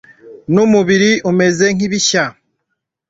numubiri umeze nkibishya